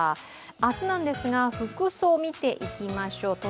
明日なんですが、服装を見ていきましょう。